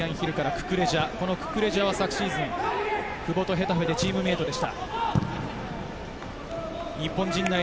ククレジャは昨シーズン、久保とヘタフェでチームメートでした。